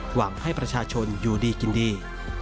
หวังให้ประชาชนอยู่ดีกินดี